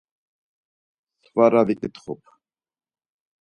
Svara viǩitxup.